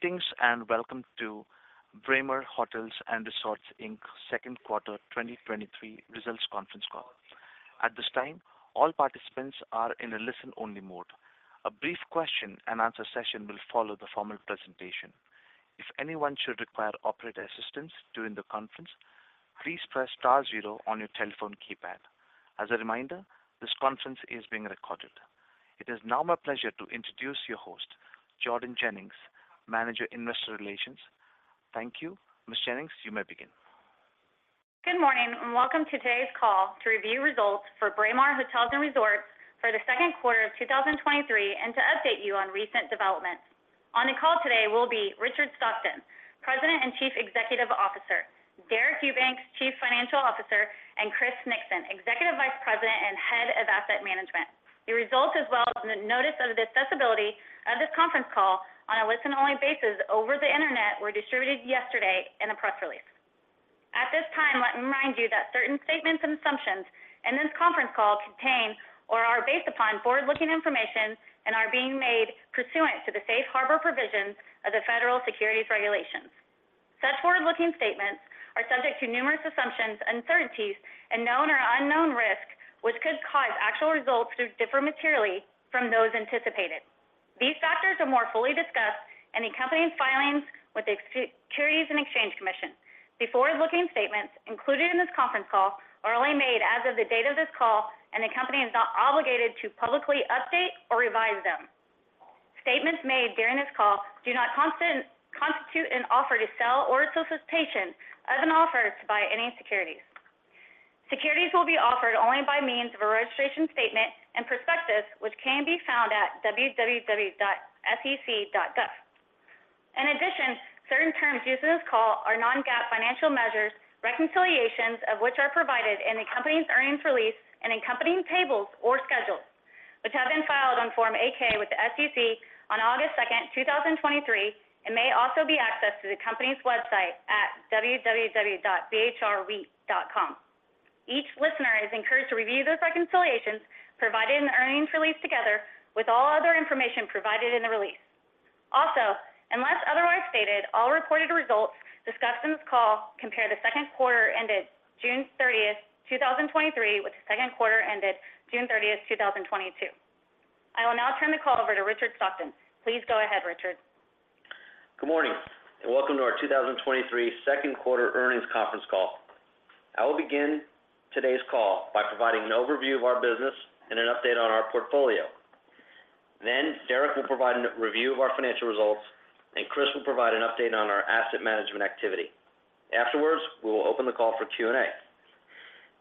Greetings, welcome to Braemar Hotels & Resorts Inc.'s second quarter 2023 results conference call. At this time, all participants are in a listen-only mode. A brief question-and-answer session will follow the formal presentation. If anyone should require operator assistance during the conference, please press star zero on your telephone keypad. As a reminder, this conference is being recorded. It is now my pleasure to introduce your host, Jordan Jennings, Manager, Investor Relations. Thank you. Ms. Jennings, you may begin. Good morning, welcome to today's call to review results for Braemar Hotels & Resorts for the second quarter of 2023, and to update you on recent developments. On the call today will be Richard Stockton, President and Chief Executive Officer, Deric Eubanks, Chief Financial Officer, and Chris Nixon, Executive Vice President and Head of Asset Management. The results, as well as the notice of the accessibility of this conference call on a listen-only basis over the Internet, were distributed yesterday in a press release. At this time, let me remind you that certain statements and assumptions in this conference call contain or are based upon forward-looking information and are being made pursuant to the Safe Harbor Provisions of the Federal Securities Regulations. Such forward-looking statements are subject to numerous assumptions, uncertainties, and known or unknown risks, which could cause actual results to differ materially from those anticipated. These factors are more fully discussed in the company's filings with the Securities and Exchange Commission. The forward-looking statements included in this conference call are only made as of the date of this call, and the company is not obligated to publicly update or revise them. Statements made during this call do not constitute an offer to sell or a solicitation of an offer to buy any securities. Securities will be offered only by means of a registration statement and prospectus, which can be found at www.sec.gov. In addition, certain terms used in this call are non-GAAP financial measures, reconciliations of which are provided in the company's earnings release and accompanying tables or schedules, which have been filed on Form 8-K with the SEC on August 2, 2023, and may also be accessed through the company's website at www.bhrreit.com. Each listener is encouraged to review those reconciliations provided in the earnings release, together with all other information provided in the release. Also, unless otherwise stated, all reported results discussed in this call compare the second quarter ended June 30, 2023, with the second quarter ended June 30, 2022. I will now turn the call over to Richard Stockton. Please go ahead, Richard. Good morning, and welcome to our 2023 second quarter earnings conference call. I will begin today's call by providing an overview of our business and an update on our portfolio. Deric will provide a review of our financial results, and Chris will provide an update on our asset management activity. Afterwards, we will open the call for Q&A.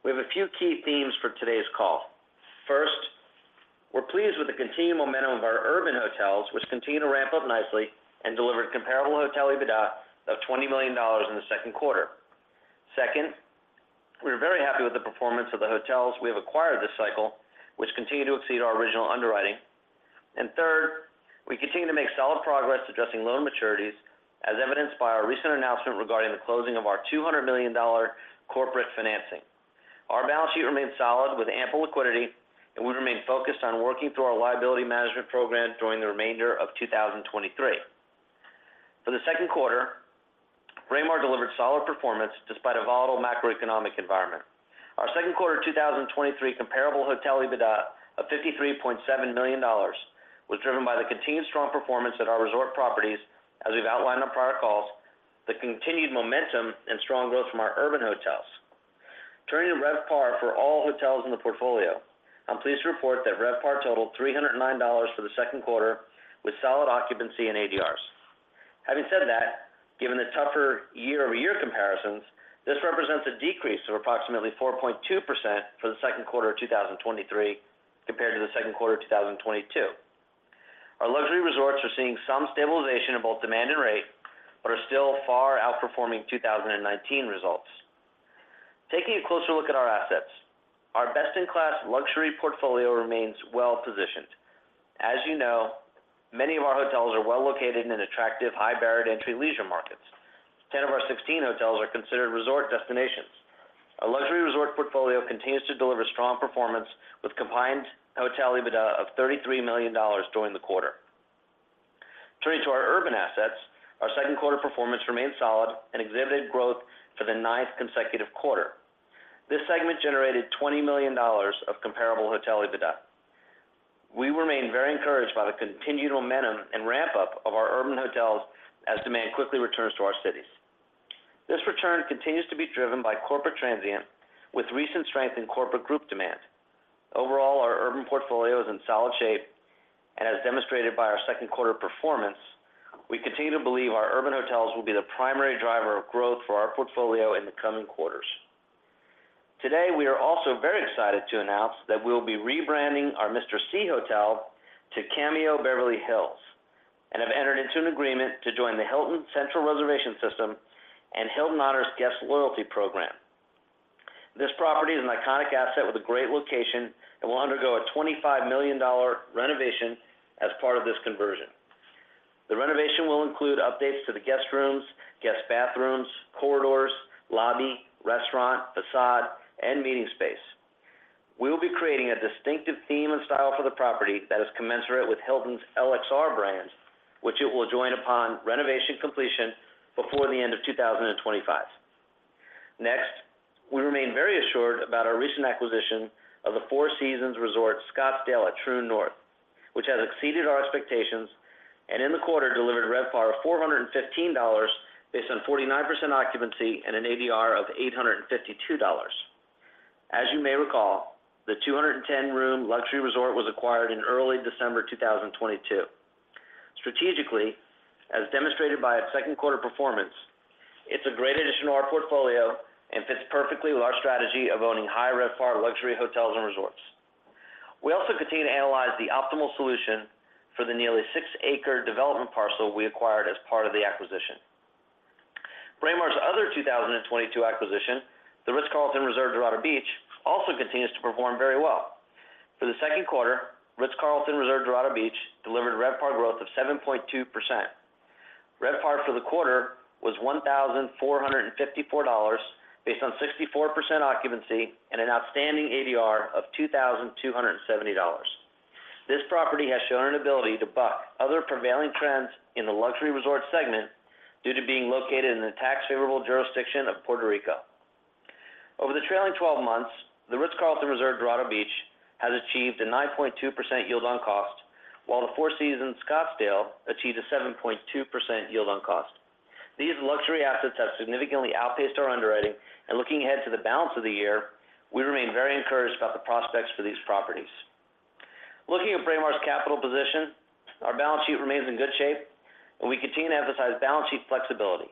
We have a few key themes for today's call. First, we're pleased with the continued momentum of our urban hotels, which continue to ramp up nicely and delivered comparable hotel EBITDA of $20 million in the second quarter. Second, we are very happy with the performance of the hotels we have acquired this cycle, which continue to exceed our original underwriting. Third, we continue to make solid progress addressing loan maturities, as evidenced by our recent announcement regarding the closing of our $200 million corporate financing. Our balance sheet remains solid with ample liquidity, and we remain focused on working through our liability management program during the remainder of 2023. For the second quarter, Braemar delivered solid performance despite a volatile macroeconomic environment. Our second quarter 2023 comparable hotel EBITDA of $53.7 million was driven by the continued strong performance at our resort properties, as we've outlined on prior calls, the continued momentum and strong growth from our urban hotels. Turning to RevPAR for all hotels in the portfolio, I'm pleased to report that RevPAR totaled 309 for the second quarter, with solid occupancy in ADRs. Having said that, given the tougher year-over-year comparisons, this represents a decrease of approximately 4.2% for the Q2 2023 compared to the Q2 2022. Our luxury resorts are seeing some stabilization in both demand and rate, but are still far outperforming 2019 results. Taking a closer look at our assets, our best-in-class luxury portfolio remains well positioned. As you know, many of our hotels are well located in attractive, high-barriered entry leisure markets. 10 of our 16 hotels are considered resort destinations. Our luxury resort portfolio continues to deliver strong performance, with combined hotel EBITDA of $33 million during the quarter. Turning to our urban assets, our Q2 performance remained solid and exhibited growth for the 9th consecutive quarter. This segment generated $20 million of comparable hotel EBITDA. We remain very encouraged by the continued momentum and ramp-up of our urban hotels as demand quickly returns to our cities. This return continues to be driven by corporate transient, with recent strength in corporate group demand. Overall, our urban portfolio is in solid shape, and as demonstrated by our second quarter performance, we continue to believe our urban hotels will be the primary driver of growth for our portfolio in the coming quarters. Today, we are also very excited to announce that we will be rebranding our Mr. C Hotel to Cameo Beverly Hills, and have entered into an agreement to join the Hilton Central Reservation System and Hilton Honors guest loyalty program. This property is an iconic asset with a great location and will undergo a $25 million renovation as part of this conversion. The renovation will include updates to the guest rooms, guest bathrooms, corridors, lobby, restaurant, facade, and meeting space.... We will be creating a distinctive theme and style for the property that is commensurate with Hilton's LXR brand, which it will join upon renovation completion before the end of 2025. Next, we remain very assured about our recent acquisition of the Four Seasons Resort Scottsdale at Troon North, which has exceeded our expectations, and in the quarter delivered RevPAR of $415, based on 49% occupancy and an ADR of $852. As you may recall, the 210 room luxury resort was acquired in early December 2022. Strategically, as demonstrated by its second quarter performance, it's a great addition to our portfolio and fits perfectly with our strategy of owning high RevPAR luxury hotels and resorts. We also continue to analyze the optimal solution for the nearly six-acre development parcel we acquired as part of the acquisition. Braemar's other 2022 acquisition, the Ritz-Carlton Reserve Dorado Beach, also continues to perform very well. For the second quarter, Ritz-Carlton Reserve Dorado Beach delivered RevPAR growth of 7.2%. RevPAR for the quarter was $1,454, based on 64% occupancy and an outstanding ADR of $2,270. This property has shown an ability to buck other prevailing trends in the luxury resort segment due to being located in the tax favorable jurisdiction of Puerto Rico. Over the trailing 12 months, the Dorado Beach, a Ritz-Carlton Reserve has achieved a 9.2% yield on cost, while the Four Seasons Scottsdale achieved a 7.2% yield on cost. These luxury assets have significantly outpaced our underwriting, looking ahead to the balance of the year, we remain very encouraged about the prospects for these properties. Looking at Braemar's capital position, our balance sheet remains in good shape, we continue to emphasize balance sheet flexibility.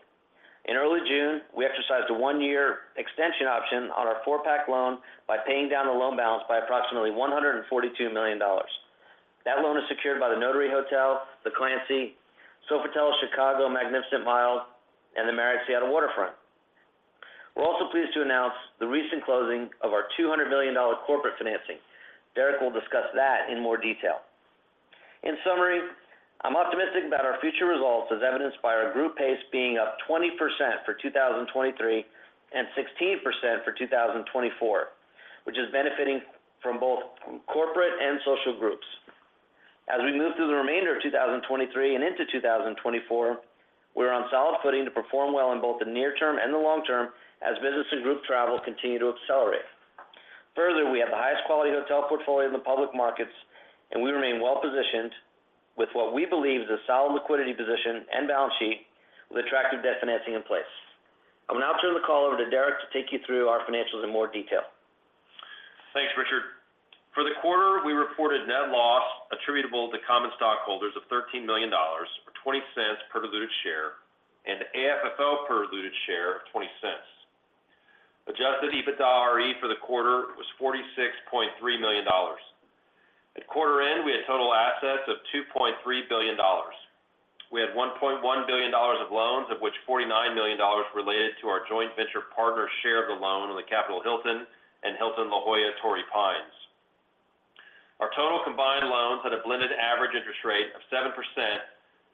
In early June, we exercised a 1-year extension option on our four-pack loan by paying down the loan balance by approximately $142 million. That loan is secured by The Notary Hotel, The Clancy, Sofitel Chicago Magnificent Mile, and the Marriott Seattle Waterfront. We're also pleased to announce the recent closing of our $200 million corporate financing. Deric will discuss that in more detail. In summary, I'm optimistic about our future results, as evidenced by our group pace being up 20% for 2023, and 16% for 2024, which is benefiting from both corporate and social groups. As we move through the remainder of 2023 and into 2024, we're on solid footing to perform well in both the near term and the long term as business and group travel continue to accelerate. We have the highest quality hotel portfolio in the public markets, and we remain well positioned with what we believe is a solid liquidity position and balance sheet with attractive debt financing in place. I'll now turn the call over to Deric to take you through our financials in more detail. Thanks, Richard. For the quarter, we reported net loss attributable to common stockholders of $13 million, or $0.20 per diluted share, and AFFO per diluted share of $0.20. Adjusted EBITDARE for the quarter was $46.3 million. At quarter end, we had total assets of $2.3 billion. We had $1.1 billion of loans, of which $49 million related to our joint venture partner's share of the loan on the Capital Hilton and Hilton La Jolla Torrey Pines. Our total combined loans had a blended average interest rate of 7%,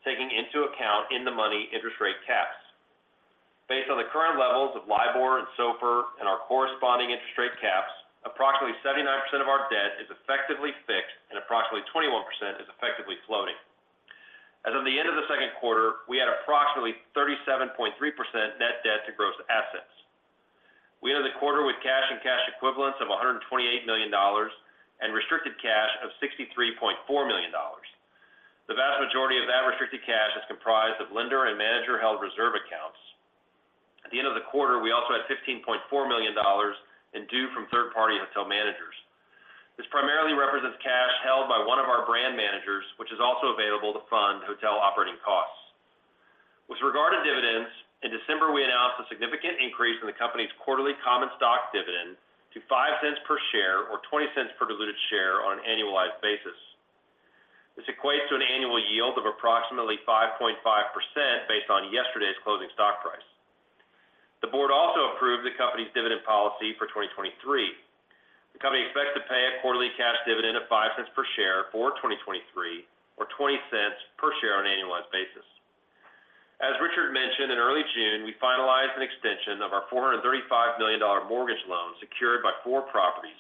taking into account in the money interest rate caps. Based on the current levels of LIBOR and SOFR and our corresponding interest rate caps, approximately 79% of our debt is effectively fixed and approximately 21% is effectively floating. As of the end of the second quarter, we had approximately 37.3% net debt to gross assets. We ended the quarter with cash and cash equivalents of $128 million and restricted cash of $63.4 million. The vast majority of that restricted cash is comprised of lender and manager-held reserve accounts. At the end of the quarter, we also had $15.4 million in due from third-party hotel managers. This primarily represents cash held by one of our brand managers, which is also available to fund hotel operating costs. With regard to dividends, in December, we announced a significant increase in the company's quarterly common stock dividend to $0.05 per share, or $0.20 per diluted share on an annualized basis. This equates to an annual yield of approximately 5.5% based on yesterday's closing stock price. The board also approved the company's dividend policy for 2023. The company expects to pay a quarterly cash dividend of $0.05 per share for 2023, or $0.20 per share on an annualized basis. As Richard mentioned, in early June, we finalized an extension of our $435 million mortgage loan secured by four properties: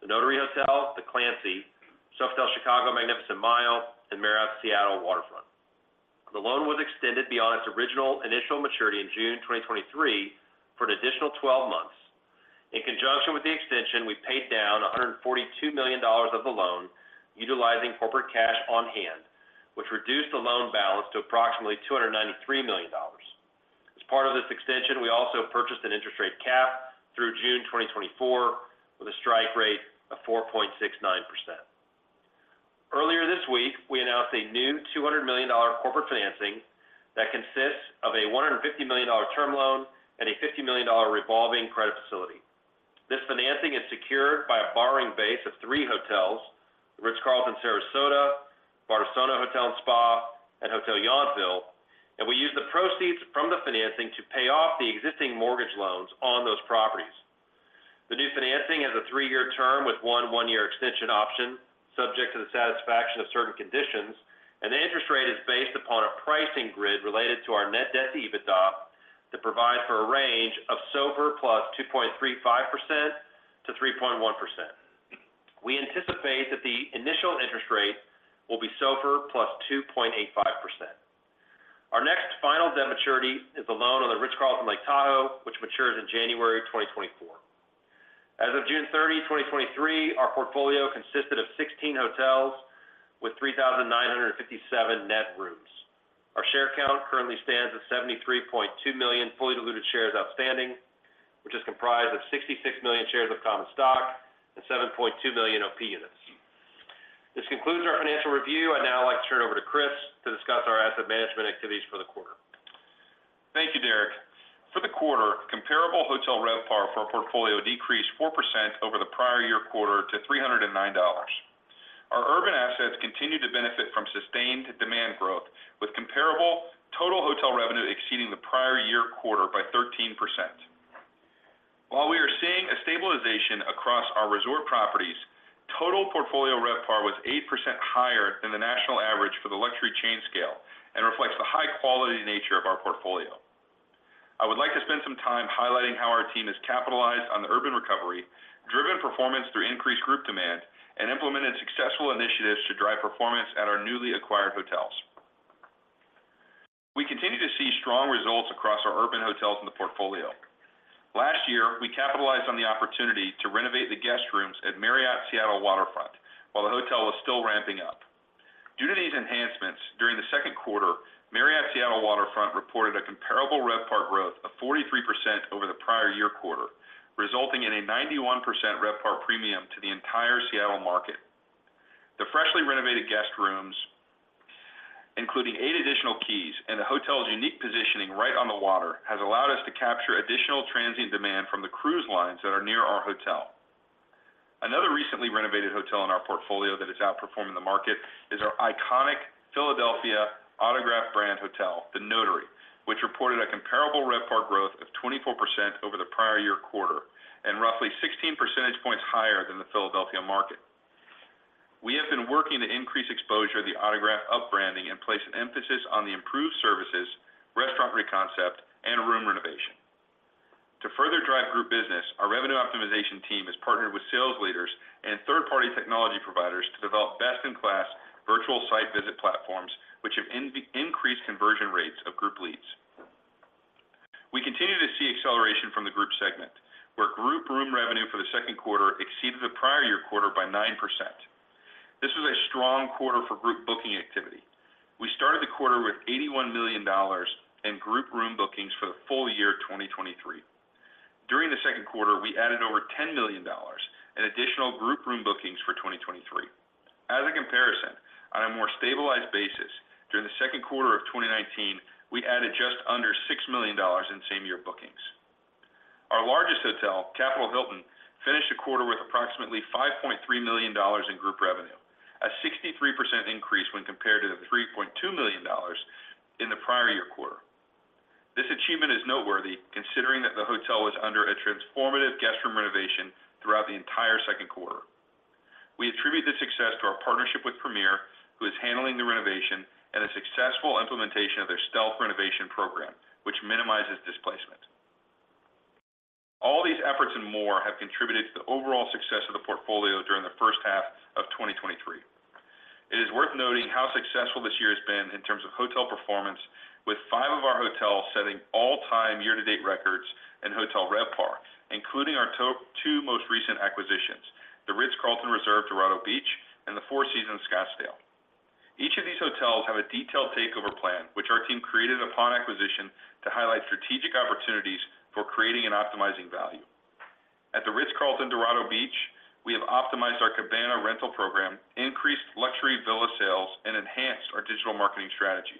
The Notary Hotel, The Clancy, Sofitel Chicago Magnificent Mile, and Marriott Seattle Waterfront. The loan was extended beyond its original initial maturity in June 2023 for an additional 12 months. In conjunction with the extension, we paid down $142 million of the loan, utilizing corporate cash on hand, which reduced the loan balance to approximately $293 million. As part of this extension, we also purchased an interest rate cap through June 2024, with a strike rate of 4.69%. Earlier this week, we announced a new $200 million corporate financing that consists of a $150 million term loan and a $50 million revolving credit facility. This financing is secured by a borrowing base of three hotels: The Ritz-Carlton Sarasota, Bardessono Hotel and Spa, and Hotel Yountville. We use the proceeds from the financing to pay off the existing mortgage loans on those properties. The new financing has a 3-year term with one 1-year extension option, subject to the satisfaction of certain conditions. The interest rate is based upon a pricing grid related to our net debt to EBITDA,... to provide for a range of SOFR plus 2.35%-3.1%. We anticipate that the initial interest rate will be SOFR plus 2.85%. Our next final debt maturity is the loan on the Ritz-Carlton Lake Tahoe, which matures in January 2024. As of June 30, 2023, our portfolio consisted of 16 hotels with 3,957 net rooms. Our share count currently stands at 73.2 million fully diluted shares outstanding, which is comprised of 66 million shares of common stock and 7.2 million OP units. This concludes our financial review. I'd now like to turn it over to Chris to discuss our asset management activities for the quarter. Thank you, Deric. For the quarter, comparable hotel RevPAR for our portfolio decreased 4% over the prior year quarter to $309. Our urban assets continued to benefit from sustained demand growth, with comparable total hotel revenue exceeding the prior year quarter by 13%. While we are seeing a stabilization across our resort properties, total portfolio RevPAR was 8% higher than the national average for the luxury chain scale and reflects the high-quality nature of our portfolio. I would like to spend some time highlighting how our team has capitalized on the urban recovery, driven performance through increased group demand, and implemented successful initiatives to drive performance at our newly acquired hotels. We continue to see strong results across our urban hotels in the portfolio. Last year, we capitalized on the opportunity to renovate the guest rooms at Marriott Seattle Waterfront while the hotel was still ramping up. Due to these enhancements, during the second quarter, Marriott Seattle Waterfront reported a comparable RevPAR growth of 43% over the prior year quarter, resulting in a 91% RevPAR premium to the entire Seattle market. The freshly renovated guest rooms, including eight additional keys and the hotel's unique positioning right on the water, has allowed us to capture additional transient demand from the cruise lines that are near our hotel. Another recently renovated hotel in our portfolio that is outperforming the market is our iconic Philadelphia Autograph Brand Hotel, The Notary, which reported a comparable RevPAR growth of 24% over the prior year quarter, and roughly 16 percentage points higher than the Philadelphia market. We have been working to increase exposure to the Autograph up-branding and place an emphasis on the improved services, restaurant re-concept, and room renovation. To further drive group business, our revenue optimization team has partnered with sales leaders and third-party technology providers to develop best-in-class virtual site visit platforms, which have increased conversion rates of group leads. We continue to see acceleration from the group segment, where group room revenue for the second quarter exceeded the prior year quarter by 9%. This was a strong quarter for group booking activity. We started the quarter with $81 million in group room bookings for the full year of 2023. During the second quarter, we added over $10 million in additional group room bookings for 2023. As a comparison, on a more stabilized basis, during the second quarter of 2019, we added just under $6 million in same-year bookings. Our largest hotel, Capital Hilton, finished the quarter with approximately $5.3 million in group revenue, a 63% increase when compared to the $3.2 million in the prior year quarter. This achievement is noteworthy considering that the hotel was under a transformative guest room renovation throughout the entire second quarter. We attribute this success to our partnership with Premier, who is handling the renovation and a successful implementation of their stealth renovation program, which minimizes displacement. All these efforts and more have contributed to the overall success of the portfolio during the first half of 2023. It is worth noting how successful this year has been in terms of hotel performance, with five of our hotels setting all-time year-to-date records in hotel RevPAR, including our two most recent acquisitions, the Ritz-Carlton Reserve Dorado Beach and the Four Seasons Scottsdale. Each of these hotels have a detailed takeover plan, which our team created upon acquisition, to highlight strategic opportunities for creating and optimizing value. At the Ritz-Carlton Dorado Beach, we have optimized our cabana rental program, increased luxury villa sales, and enhanced our digital marketing strategy.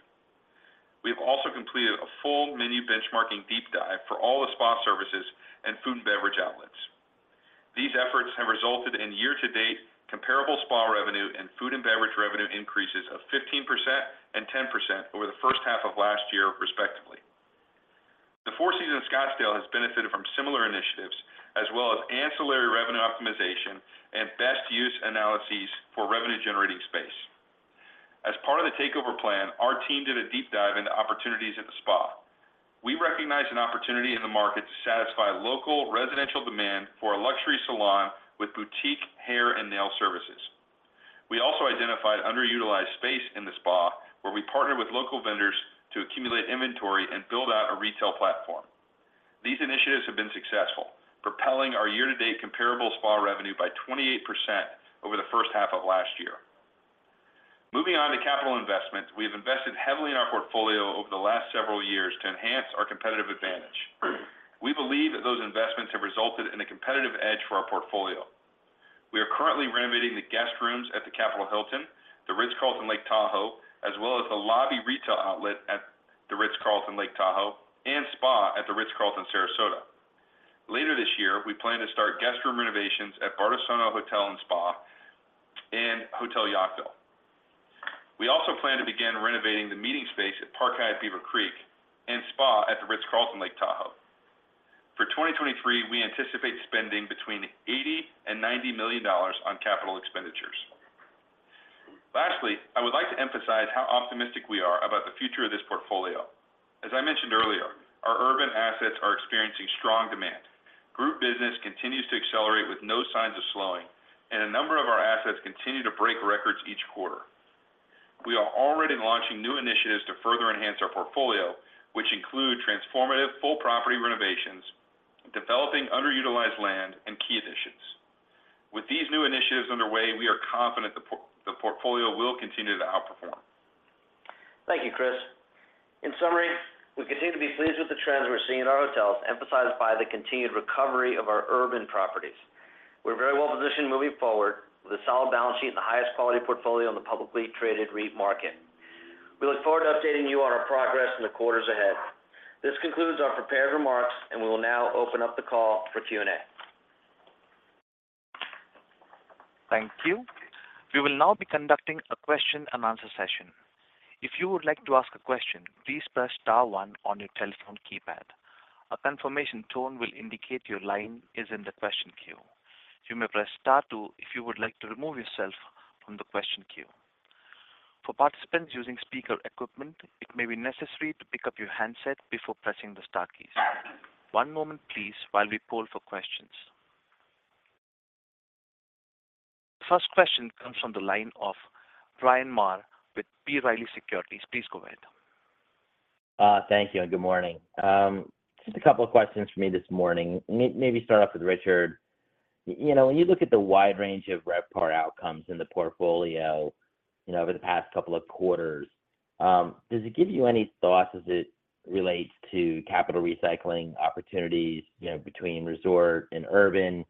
We have also completed a full menu benchmarking deep dive for all the spa services and food and beverage outlets. These efforts have resulted in year-to-date comparable spa revenue and food and beverage revenue increases of 15% and 10% over the first half of last year, respectively. The Four Seasons Scottsdale has benefited from similar initiatives, as well as ancillary revenue optimization and best use analyses for revenue-generating space. As part of the takeover plan, our team did a deep dive into opportunities at the spa. We recognized an opportunity in the market to satisfy local residential demand for a luxury salon with boutique hair and nail services. We also identified underutilized space in the spa, where we partnered with local vendors to accumulate inventory and build out a retail platform. These initiatives have been successful, propelling our year-to-date comparable spa revenue by 28% over the first half of last year. Moving on to capital investments. We have invested heavily in our portfolio over the last several years to enhance our competitive advantage. We believe that those investments have resulted in a competitive edge for our portfolio. We are currently renovating the guest rooms at the Capital Hilton, the Ritz-Carlton Lake Tahoe, as well as the lobby retail outlet at the Ritz-Carlton Lake Tahoe and spa at the Ritz-Carlton Sarasota. Later this year, we plan to start guest room renovations at Bardessono Hotel and Spa and Hotel Yountville. We also plan to begin renovating the meeting space at Park Hyatt Beaver Creek and Spa at the Ritz-Carlton Lake Tahoe. For 2023, we anticipate spending between $80 million and $90 million on capital expenditures. Highlights how optimistic we are about the future of this portfolio. As I mentioned earlier, our urban assets are experiencing strong demand. Group business continues to accelerate with no signs of slowing. A number of our assets continue to break records each quarter. We are already launching new initiatives to further enhance our portfolio, which include transformative full property renovations, developing underutilized land, and key additions. With these new initiatives underway, we are confident the portfolio will continue to outperform. Thank you, Chris. In summary, we continue to be pleased with the trends we're seeing in our hotels, emphasized by the continued recovery of our urban properties. We're very well positioned moving forward with a solid balance sheet and the highest quality portfolio on the publicly traded REIT market. We look forward to updating you on our progress in the quarters ahead. This concludes our prepared remarks, and we will now open up the call for Q&A. Thank you. We will now be conducting a question-and-answer session. If you would like to ask a question, please press star one on your telephone keypad. A confirmation tone will indicate your line is in the question queue. You may press star two if you would like to remove yourself from the question queue. For participants using speaker equipment, it may be necessary to pick up your handset before pressing the star keys. One moment, please, while we poll for questions. First question comes from the line of Bryan Maher with B. Riley Securities. Please go ahead. Thank you, and good morning. Just two questions for me this morning. Maybe start off with Richard. You know, when you look at the wide range of RevPAR outcomes in the portfolio, you know, over the past 2 quarters, does it give you any thoughts as it relates to capital recycling opportunities, you know, between resort and urban?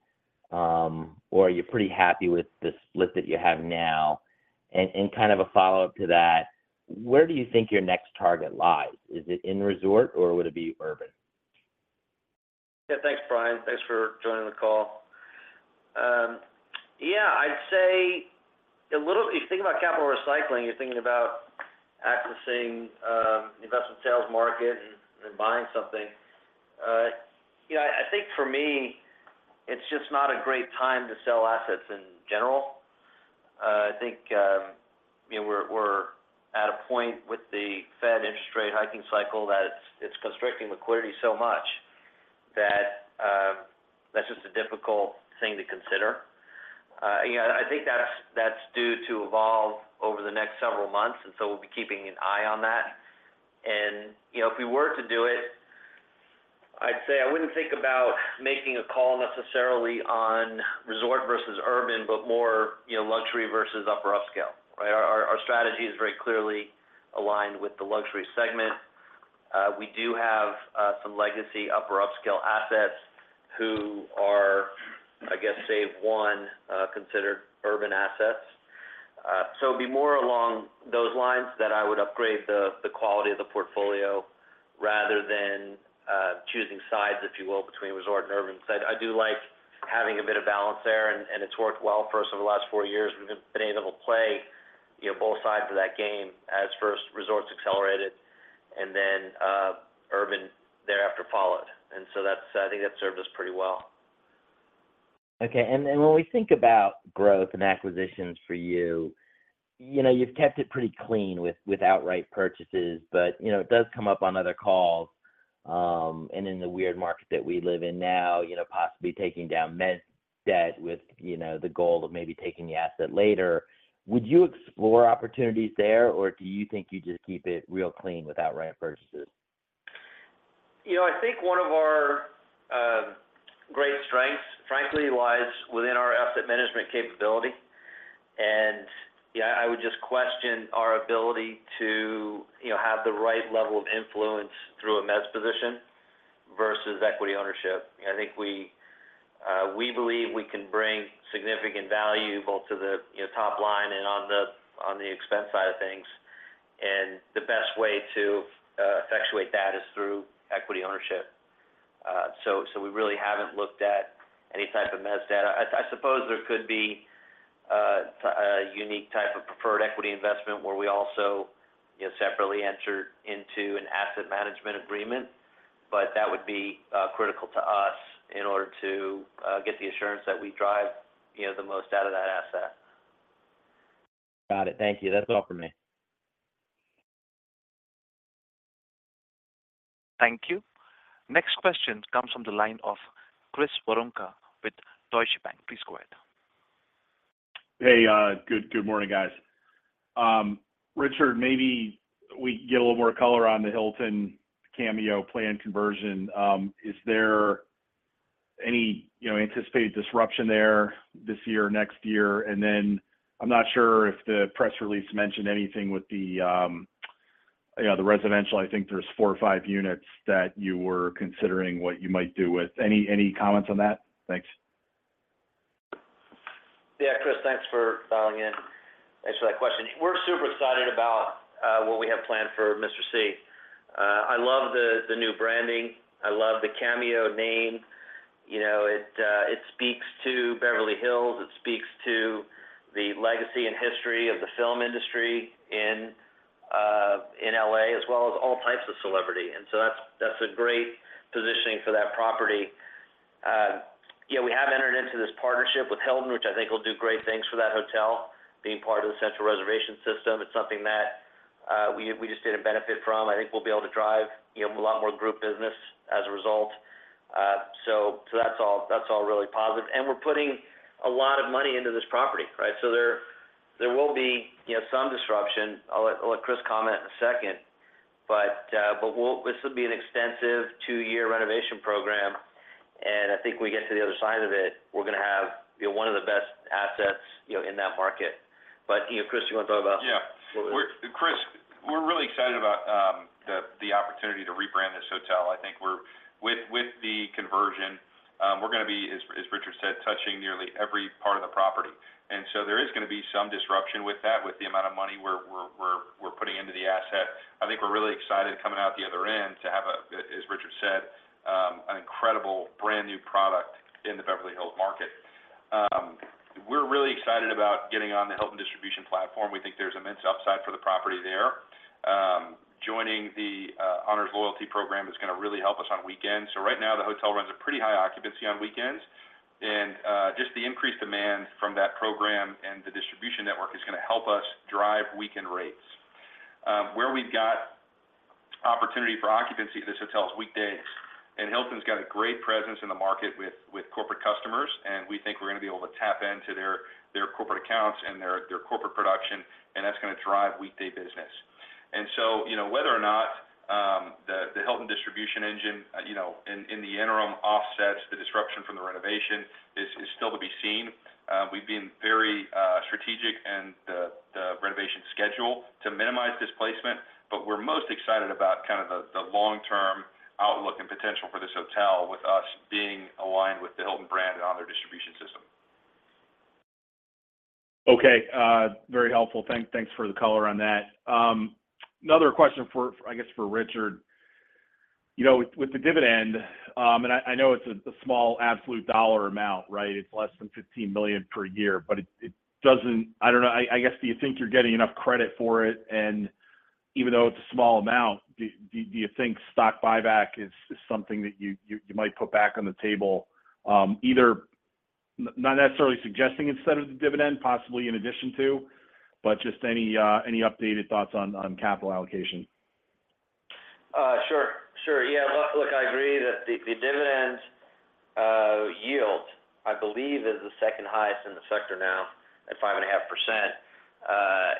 Or are you pretty happy with the split that you have now? Kind of a follow-up to that, where do you think your next target lies? Is it in resort or would it be urban? Yeah. Thanks, Brian. Thanks for joining the call. Yeah, I'd say a little... If you think about capital recycling, you're thinking about accessing, investment sales market and, and buying something. You know, I, I think for me, it's just not a great time to sell assets in general. I think, you know, we're, we're at a point with the Fed interest rate hiking cycle that it's, it's constricting liquidity so much that, that's just a difficult thing to consider. You know, I think that's, that's due to evolve over the next several months, and so we'll be keeping an eye on that. You know, if we were to do it, I'd say I wouldn't think about making a call necessarily on resort versus urban, but more, you know, luxury versus upper upscale, right? Our, our, our strategy is very clearly aligned with the luxury segment. We do have some legacy upper upscale assets who are, I guess, save 1, considered urban assets. It'd be more along those lines that I would upgrade the, the quality of the portfolio rather than choosing sides, if you will, between resort and urban. I do like having a bit of balance there, and, and it's worked well for us over the last four years. We've been able to play, you know, both sides of that game as first resorts accelerated and then urban thereafter followed. That's-- I think that's served us pretty well. Okay. Then when we think about growth and acquisitions for you, you know, you've kept it pretty clean with, with outright purchases, but, you know, it does come up on other calls, and in the weird market that we live in now, you know, possibly taking down mezz debt with, you know, the goal of maybe taking the asset later. Would you explore opportunities there, or do you think you just keep it real clean with outright purchases? You know, I think one of our great strengths, frankly, lies within our asset management capability. Yeah, I would just question our ability to, you know, have the right level of influence through a mezz position versus equity ownership. I think we we believe we can bring significant value both to the, you know, top line and on the, on the expense side of things, and the best way to effectuate that is through equity ownership. So we really haven't looked at any type of mezz debt. I, I suppose there could be a unique type of preferred equity investment where we also, you know, separately enter into an asset management agreement, but that would be critical to us in order to get the assurance that we drive, you know, the most out of that asset. Got it. Thank you. That's all for me. Thank you. Next question comes from the line of Chris Woronka with Deutsche Bank. Please go ahead. Hey, good, good morning, guys. Richard, maybe we can get a little more color on the Hilton Cameo planned conversion. Is there any, you know, anticipated disruption there this year or next year? I'm not sure if the press release mentioned anything with the, you know, the residential. I think there's four or five units that you were considering what you might do with. Any, any comments on that? Thanks. Yeah, Chris, thanks for dialing in. Thanks for that question. We're super excited about what we have planned for Mr. C. I love the new branding. I love the Cameo name. You know, it speaks to Beverly Hills, it speaks to the legacy and history of the film industry in L.A., as well as all types of celebrity. That's, that's a great positioning for that property. Yeah, we have entered into this partnership with Hilton, which I think will do great things for that hotel. Being part of the central reservation system, it's something that we just didn't benefit from. I think we'll be able to drive, you know, a lot more group business as a result. That's all, that's all really positive. We're putting a lot of money into this property, right? There, there will be, you know, some disruption. I'll let, I'll let Chris comment in a second, but this will be an extensive two-year renovation program, and I think when we get to the other side of it, we're gonna have, you know, one of the best assets, you know, in that market. You know, Chris, you want to talk about? Yeah. We're Chris, we're really excited about the opportunity to rebrand this hotel. I think we're with, with the conversion, we're gonna be, as Richard said, touching nearly every part of the property. So there is gonna be some disruption with that, with the amount of money we're putting into the asset. I think we're really excited coming out the other end to have a, as Richard said, an incredible brand-new product in the Beverly Hills market. We're really excited about getting on the Hilton distribution platform. We think there's immense upside for the property there. Joining the Honors loyalty program is gonna really help us on weekends. Right now, the hotel runs a pretty high occupancy on weekends, and just the increased demand from that program and the distribution network is gonna help us drive weekend rates. Where we've got opportunity for occupancy of this hotel is weekdays. Hilton's got a great presence in the market with, with corporate customers. We think we're gonna be able to tap into their, their corporate accounts and their, their corporate production. That's gonna drive weekday business. You know, whether or not, the, the Hilton distribution engine, you know, in, in the interim, offsets the disruption from the renovation is, is still to be seen. We've been very strategic in the, the renovation schedule to minimize displacement, but we're most excited about kind of the, the long-term outlook and potential for this hotel, with us being aligned with the Hilton brand and on their distribution system. Okay, very helpful. Thanks for the color on that. Another question for, I guess, for Richard. You know, with, with the dividend, I, I know it's a, a small absolute dollar amount, right? It's less than $15 million per year, but it, it doesn't... I don't know. I guess, do you think you're getting enough credit for it? Even though it's a small amount, do you think stock buyback is, is something that you might put back on the table, either... Not necessarily suggesting instead of the dividend, possibly in addition to, but just any updated thoughts on, on capital allocation? Sure, sure. Yeah, look, look, I agree that the, the dividend's yield, I believe, is the second highest in the sector now, at 5.5%.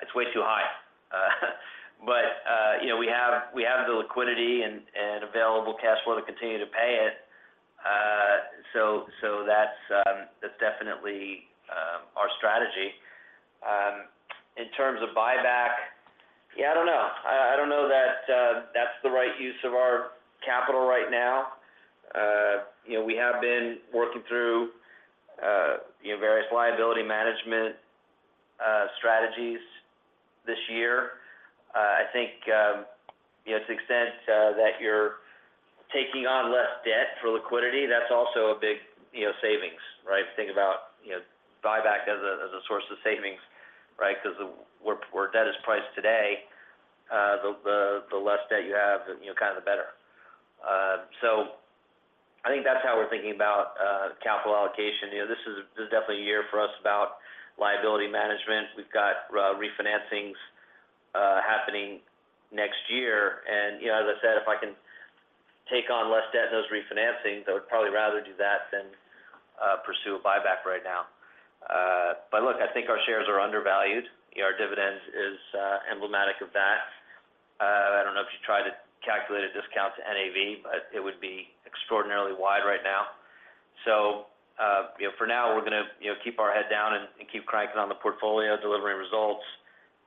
It's way too high. You know, we have, we have the liquidity and, and available cash flow to continue to pay it. That's definitely our strategy. In terms of buyback, yeah, I don't know. I, I don't know that that's the right use of our capital right now. You know, we have been working through, you know, various liability management strategies this year. I think, you know, to the extent that you're taking on less debt for liquidity, that's also a big, you know, savings, right? Think about, you know, buyback as a, as a source of savings, right? Because the... where, where debt is priced today, the, the, the less debt you have, you know, kind of the better. I think that's how we're thinking about capital allocation. You know, this is, this is definitely a year for us about liability management. We've got refinancings happening next year. You know, as I said, if I can take on less debt in those refinancings, I would probably rather do that than pursue a buyback right now. Look, I think our shares are undervalued. You know, our dividends is emblematic of that. I don't know if you tried to calculate a discount to NAV, but it would be extraordinarily wide right now. You know, for now, we're gonna, you know, keep our head down and keep cranking on the portfolio, delivering results,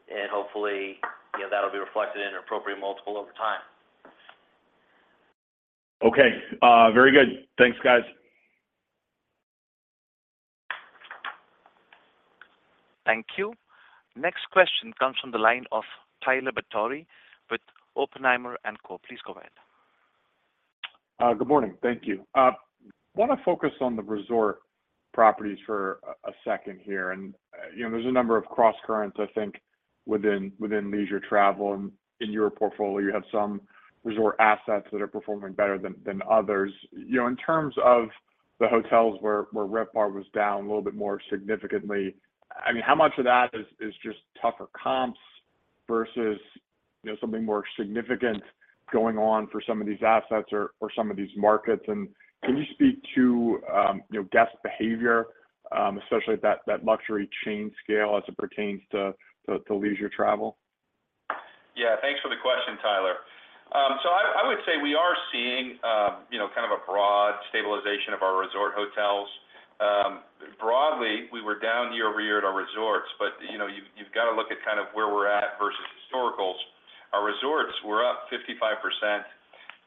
and hopefully, you know, that'll be reflected in an appropriate multiple over time. Okay, very good. Thanks, guys. Thank you. Next question comes from the line of Tyler Batory with Oppenheimer & Co. Please go ahead. Good morning. Thank you. Want to focus on the resort properties for a second here. You know, there's a number of crosscurrents, I think, within leisure travel, and in your portfolio, you have some resort assets that are performing better than others. You know, in terms of the hotels where RevPAR was down a little bit more significantly, I mean, how much of that is just tougher comps versus, you know, something more significant going on for some of these assets or some of these markets? Can you speak to, you know, guest behavior, especially at that luxury chain scale, as it pertains to leisure travel? Yeah, thanks for the question, Tyler. I, I would say we are seeing, you know, kind of a broad stabilization of our resort hotels. Broadly, we were down year-over-year at our resorts, but, you know, you've, you've got to look at kind of where we're at versus historicals. Our resorts were up 55%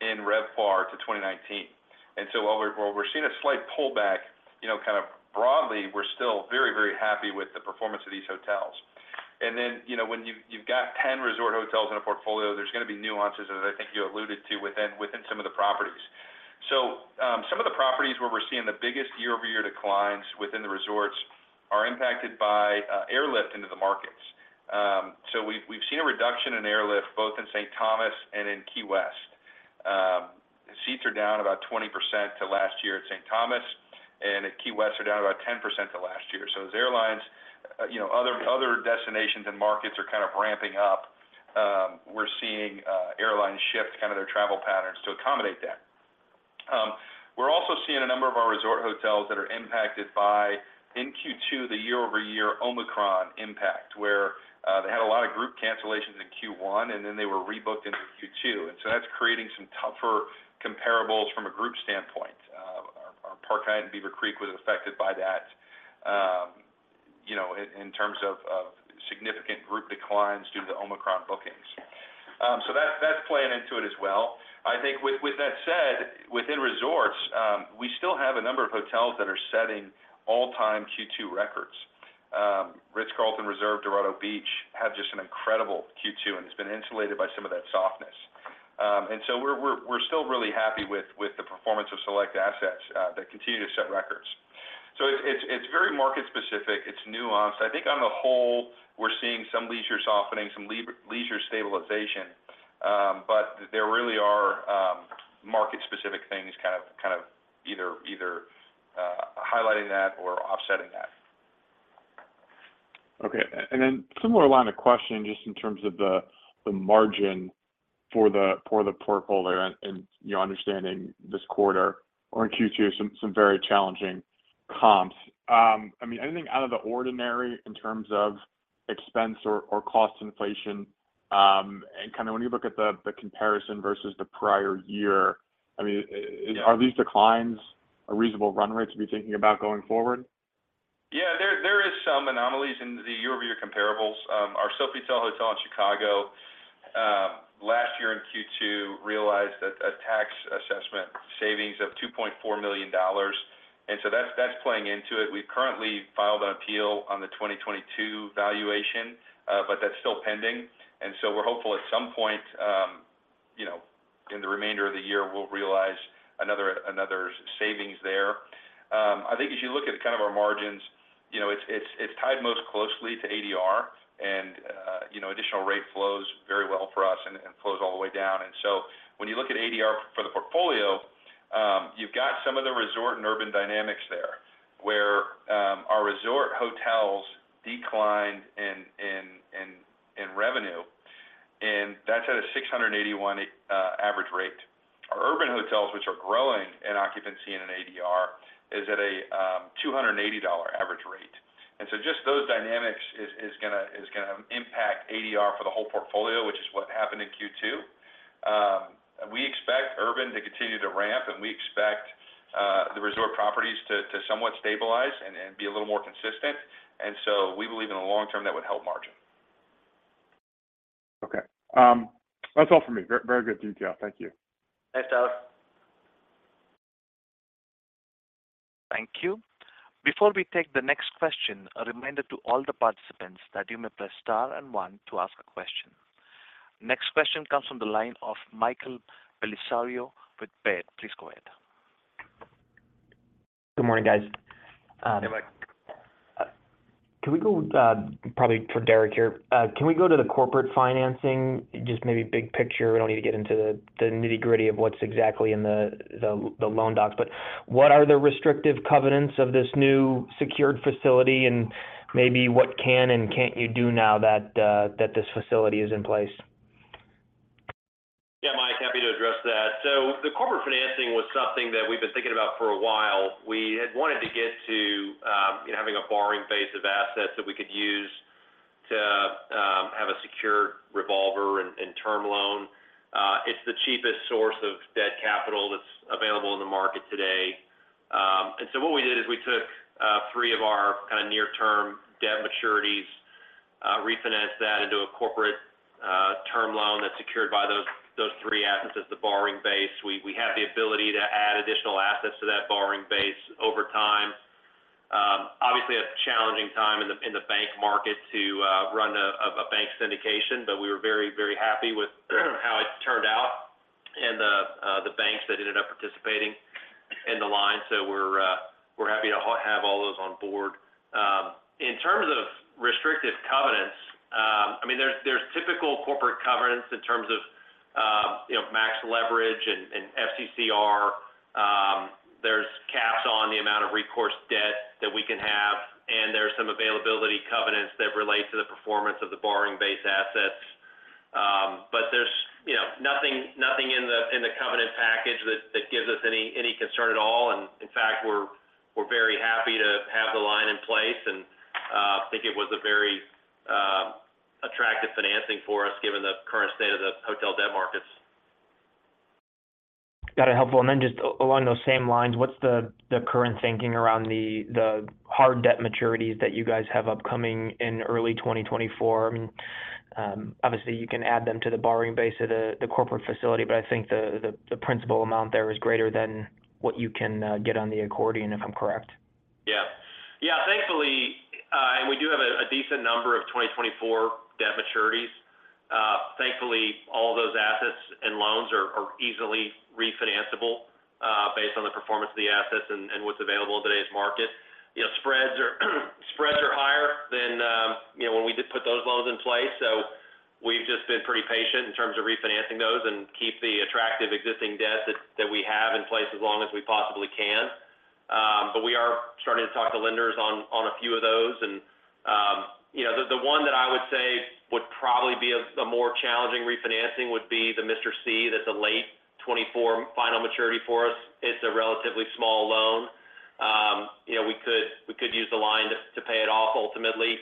in RevPAR to 2019. While we're, while we're seeing a slight pullback, you know, kind of broadly, we're still very, very happy with the performance of these hotels. Then, you know, when you- you've got 10 resort hotels in a portfolio, there's gonna be nuances, as I think you alluded to, within, within some of the properties. Some of the properties where we're seeing the biggest year-over-year declines within the resorts are impacted by airlift into the markets. We've, we've seen a reduction in airlift, both in St. Thomas and in Key West. Seats are down about 20% to last year at St. Thomas, and at Key West are down about 10% to last year. As airlines, you know, other, other destinations and markets are kind of ramping up, we're seeing airlines shift kind of their travel patterns to accommodate that. We're also seeing a number of our resort hotels that are impacted by, in Q2, the year-over-year Omicron impact, where they had a lot of group cancellations in Q1, and then they were rebooked into Q2. That's creating some tougher comparables from a group standpoint. Our, our Park Hyatt and Beaver Creek was affected by that, you know, in terms of significant group declines due to Omicron bookings. That's, that's playing into it as well. I think with, with that said, within resorts, we still have a number of hotels that are setting all-time Q2 records. Ritz-Carlton Reserve, Dorado Beach, had just an incredible Q2, and it's been insulated by some of that softness. We're, we're, we're still really happy with, with the performance of select assets that continue to set records. It's, it's, it's very market specific, it's nuanced. I think on the whole, we're seeing some leisure softening, some leisure stabilization, there really are market-specific things either highlighting that or offsetting that. Okay. Then similar line of questioning, just in terms of the, the margin for the, for the portfolio and, and your understanding this quarter or in Q2, some, some very challenging comps. I mean, anything out of the ordinary in terms of expense or, or cost inflation? Kind of when you look at the, the comparison versus the prior year, I mean,... Yeah are these declines a reasonable run rate to be thinking about going forward? Yeah, there, there is some anomalies in the year-over-year comparables. Our Sofitel Chicago Magnificent Mile, last year in Q2, realized that a tax assessment savings of $2.4 million. That's, that's playing into it. We've currently filed an appeal on the 2022 valuation, but that's still pending. We're hopeful at some point, you know, in the remainder of the year, we'll realize another, another savings there. I think as you look at kind of our margins, you know, it's, it's, it's tied most closely to ADR. You know, additional rate flows very well for us and flows all the way down. When you look at ADR for the portfolio, you've got some of the resort and urban dynamics there, where our resort hotels declined in, in, in, in revenue, and that's at a $681 average rate. Our urban hotels, which are growing in occupancy in an ADR, is at a $280 average rate. Just those dynamics is, is gonna, is gonna impact ADR for the whole portfolio, which is what happened in Q2. We expect urban to continue to ramp, and we expect the resort properties to, to somewhat stabilize and, and be a little more consistent, we believe in the long term, that would help margin. Okay. That's all for me. Very, very good detail. Thank you. Thanks, Tyler. Thank you. Before we take the next question, a reminder to all the participants that you may press star and one to ask a question. Next question comes from the line of Michael Bellisario with Baird. Please go ahead. Good morning, guys. Hey, Mike. Can we go, probably for Deric here. Can we go to the corporate financing? Just maybe big picture. We don't need to get into the, the nitty-gritty of what's exactly in the, the, the loan docs, but what are the restrictive covenants of this new secured facility, and maybe what can and can't you do now that this facility is in place? Yeah, Mike, happy to address that. The corporate financing was something that we've been thinking about for a while. We had wanted to get to having a borrowing base of assets that we could use to have a secured revolver and term loan. It's the cheapest source of debt capital that's available in the market today. What we did is we took three of our kind of near-term debt maturities, refinanced that into a corporate term loan that's secured by those three assets as the borrowing base. We, we have the ability to add additional assets to that borrowing base over time. Obviously, a challenging time in the, in the bank market to run a bank syndication, we were very, very happy with, how it turned out and the banks that ended up participating in the line. We're happy to have all those on board. In terms of restrictive covenants, I mean, there's, there's typical corporate covenants in terms of, you know, max leverage and FCCR. There's caps on the amount of recourse debt that we can have, there's some availability covenants that relate to the performance of the borrowing base assets. There's, you know, nothing, nothing in the, in the covenant package that, that gives us any, any concern at all. In fact, we're, we're very happy to have the line in place and think it was a very attractive financing for us, given the current state of the hotel debt markets. Got it. Helpful. Then just along those same lines, what's the, the current thinking around the, the hard debt maturities that you guys have upcoming in early 2024? I mean, obviously, you can add them to the borrowing base of the, the corporate facility, but I think the, the, the principal amount there is greater than what you can get on the accordion, if I'm correct. Yeah. Yeah, thankfully, we do have a decent number of 2024 debt maturities. Thankfully, all those assets and loans are easily refinanceable based on the performance of the assets and what's available in today's market. You know, spreads are higher than, you know, when we did put those loans in place. We've just been pretty patient in terms of refinancing those and keep the attractive existing debt that we have in place as long as we possibly can. We are starting to talk to lenders on a few of those. You know, the one that I would say would probably be the more challenging refinancing would be the Mr. C, that's a late 2024 final maturity for us. It's a relatively small loan. you know, we could, we could use the line to, to pay it off ultimately,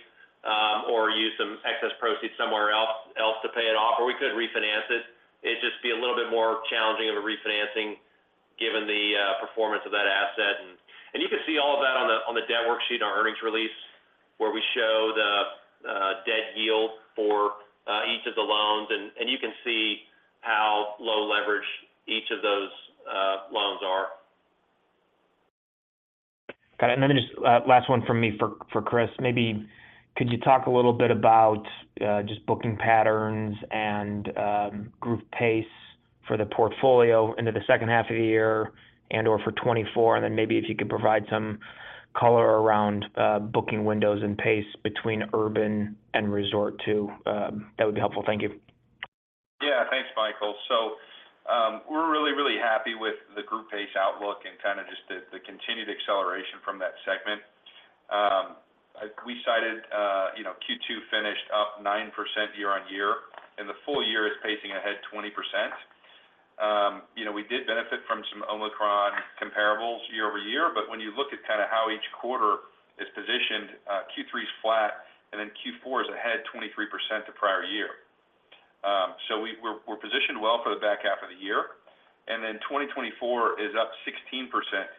or use some excess proceeds somewhere else, else to pay it off, or we could refinance it. It'd just be a little bit more challenging of a refinancing given the performance of that asset. You can see all of that on the, on the debt worksheet in our earnings release, where we show the debt yield for each of the loans, and you can see how low leverage each of those loans are. Got it. Then just, last one from me for, for Chris. Maybe could you talk a little bit about, just booking patterns and, group pace for the portfolio into the second half of the year and, or for 2024? Then maybe if you could provide some color around, booking windows and pace between urban and resort, too, that would be helpful. Thank you. Yeah. Thanks, Michael. We're really, really happy with the group pace outlook and kinda just the, the continued acceleration from that segment. We cited, you know, Q2 finished up 9% year-on-year, and the full year is pacing ahead 20%. You know, we did benefit from some Omicron comparables year-over-year, but when you look at kinda how each quarter is positioned, Q3 is flat, and then Q4 is ahead 23% the prior year. We're, we're positioned well for the back half of the year, and then 2024 is up 16%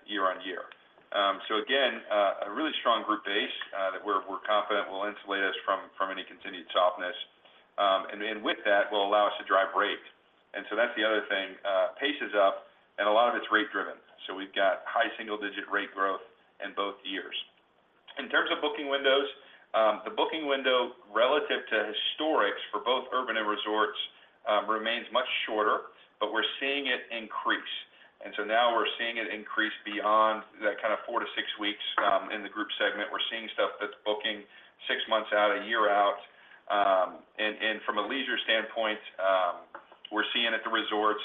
year-on-year. Again, a really strong group base that we're, we're confident will insulate us from, from any continued softness, and then with that, will allow us to drive rate. That's the other thing, pace is up, and a lot of it's rate driven, so we've got high single-digit rate growth in both years. In terms of booking windows, the booking window relative to historics for both urban and resorts, remains much shorter, but we're seeing it increase. Now we're seeing it increase beyond that kind of 4-6 weeks, in the group segment. We're seeing stuff that's booking six months out, a year out. From a leisure standpoint, we're seeing at the resorts,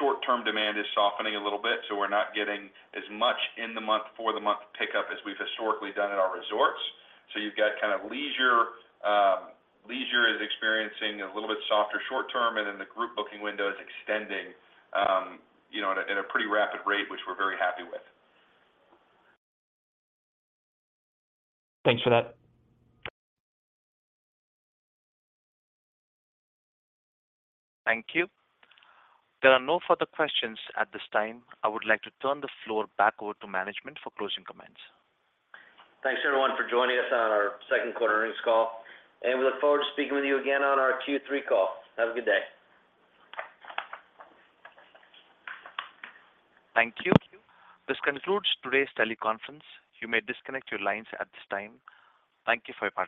short-term demand is softening a little bit, so we're not getting as much in-the-month, for-the-month pickup as we've historically done at our resorts. You've got kind of leisure, leisure is experiencing a little bit softer short term, and then the group booking window is extending, you know, at a, at a pretty rapid rate, which we're very happy with. Thanks for that. Thank you. There are no further questions at this time. I would like to turn the floor back over to management for closing comments. Thanks, everyone, for joining us on our second quarter earnings call. We look forward to speaking with you again on our Q3 call. Have a good day. Thank you. This concludes today's teleconference. You may disconnect your lines at this time. Thank you for your participation.